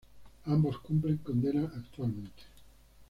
Ambos cumplen condena actualmente.